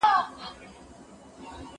دغه ځوز مي له پښې وکاږه نور ستا یم